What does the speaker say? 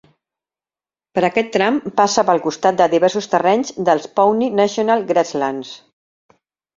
Per aquest tram passa pel costat de diversos terrenys dels Pawnee National Grasslands.